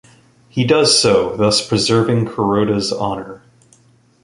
He does so, thus preserving Kuroda's honor.